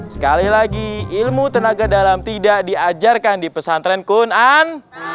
sekali lagi ilmu tenaga dalam tidak diajarkan di pesantren qunaan